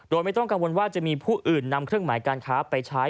โดยไม่ต้องกังวลว่าจะมีผู้อื่นนำเครื่องหมายการค้าไปใช้